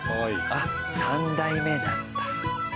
あっ３代目なんだ。